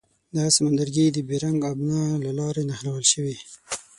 دا سمندرګي د بیرنګ ابنا له لارې نښلول شوي.